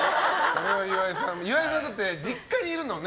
岩井さんは実家にいるんだもんね。